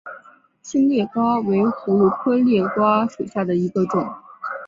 新裂瓜为葫芦科裂瓜属下的一个种。